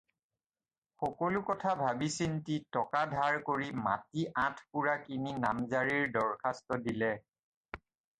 সকলো কথা ভাবি-চিন্তি টকা ধাৰ কৰি মাটি আঠ পূৰা কিনি নামজাৰিৰ দৰ্খাস্ত দিলে।